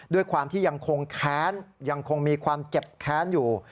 ด้วยความที่ยังคงแค้นยังคงมีความเจ็บแค้นอยู่